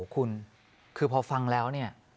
คุณคือพอฟังแล้วเนี่ย